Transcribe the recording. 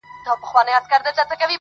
له اسمان مي ګيله ده-